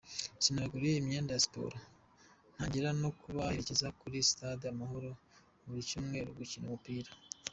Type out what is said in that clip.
Nabaguriye imyenda ya siporo ntangira no kubaherekeza kuri Sitade Amahoro buri cyumeru gukina umupira.